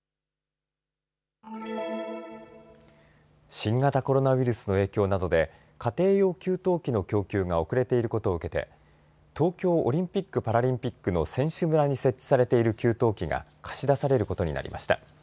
新型コロナウイルスの影響などで家庭用給湯器の供給が遅れていることを受けて東京オリンピック・パラリンピックの選手村に設置されている給湯器が貸し出されることになりました。